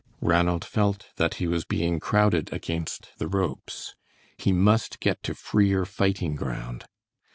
Ranald felt that he was being crowded against the ropes. He must get to freer fighting ground.